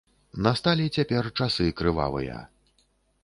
Насталі цяпер часы крывавыя.